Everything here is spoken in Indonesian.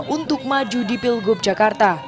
untuk maju di pilgub jakarta